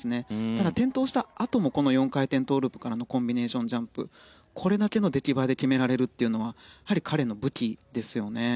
ただ、転倒したあとも４回転トウループからのコンビネーションジャンプをこれだけの出来栄えで決められるというのは彼の武器ですよね。